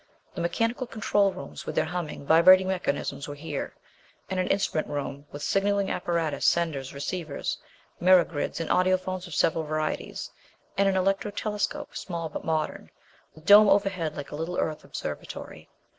The mechanical control rooms, with their humming, vibrating mechanisms were here. And an instrument room with signaling apparatus, senders, receivers, mirror grids and audiphones of several varieties. And an electro telescope, small but modern, with dome overhead like a little Earth observatory.